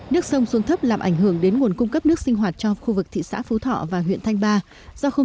nước sông xuống thấp làm ảnh hưởng đến nguồn cung cấp nước sinh hoạt cho khu vực thị xã phú thọ và huyện thanh ba